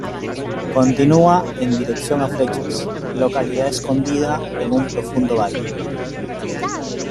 Continúa en dirección a Flechas, localidad escondida en un profundo valle.